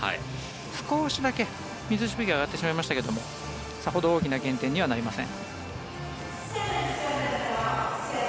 少しだけ水しぶきが上がってしまいましたけどさほど大きな減点にはなりません。